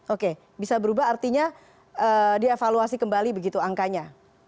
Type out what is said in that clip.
oke bisa berubah artinya dievaluasi kembali begitu angkanya